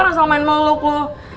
rasanya main meluk lu